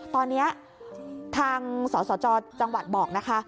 ตอนนี้ทางสสจจังหวัดบอกนะคะ